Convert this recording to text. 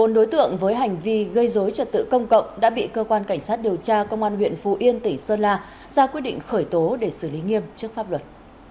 một mươi đối tượng với hành vi gây dối trật tự công cộng đã bị cơ quan cảnh sát điều tra công an huyện phú yên tỉ sơn la ra quyết định khởi tố để xử lý nghiêm trước pháp luật